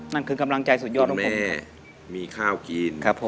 เพื่อนแม่มีข้าวกิน